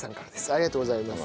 ありがとうございます。